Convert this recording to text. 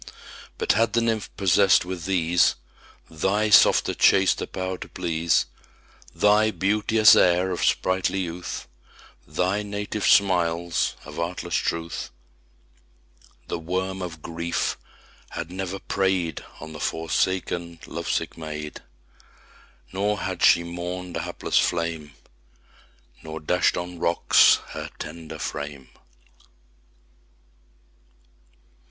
2 But had the nymph possess'd with these Thy softer, chaster power to please, Thy beauteous air of sprightly youth, Thy native smiles of artless truth 3 The worm of grief had never prey'd On the forsaken love sick maid; Nor had she mourn'd a hapless flame, Nor dash'd on rocks her tender frame.